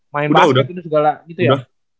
main basket ini segala gitu ya